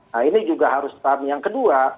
nah ini juga harus paham yang kedua